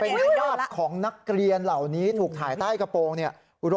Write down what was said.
เป็นภาพของนักเรียนเหล่านี้ถูกถ่ายใต้กระโปรงเนี่ย